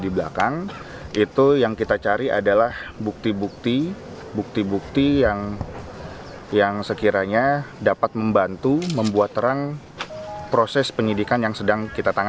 pertama di kompas pagi di kampung kampung